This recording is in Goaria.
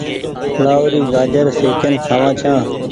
لآهوري گآجر سيڪين کآوآن ڇآن ۔